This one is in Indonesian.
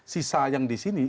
sisa yang di sini